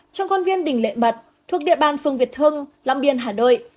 trong công viên đỉnh lệ mật thuộc địa bàn phường việt hưng long biên hà nội